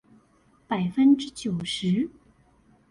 百分之九十